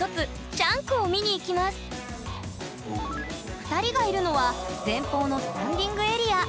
２人がいるのは前方のスタンディングエリア。